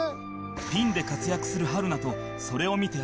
ピンで活躍する春菜とそれを見て焦るはるか